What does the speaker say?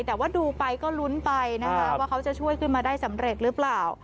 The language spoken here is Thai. แต่ว่าดูไปก็ลุ้นไปนะคะว่าเขาจะช่วยขึ้นมาได้สำเร็จหรือเปล่า